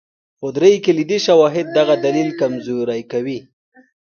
خو درې کلیدي شواهد دغه دلیل کمزوری کوي.